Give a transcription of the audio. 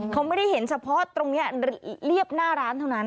เขาไม่ได้เห็นเฉพาะตรงนี้เรียบหน้าร้านเท่านั้น